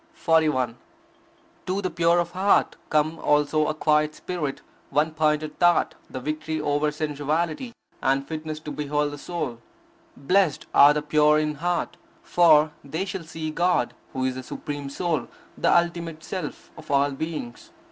41. To the pure of heart come also a quiet spirit, one pointed thought, the victory over sensuality, and fitness to behold the Soul. Blessed are the pure in heart, for they shall see God, who is the supreme Soul; the ultimate Self of all beings.